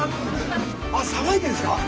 あっさばいてるんですか？